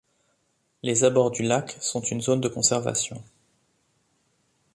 Les abords du lac sont une zone de conservation.